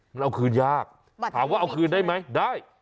น้องคือยากหาว่าเอาคืนได้ไหมได้